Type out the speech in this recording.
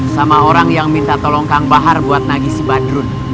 sama orang yang minta tolong kang bahar buat nagi si badrun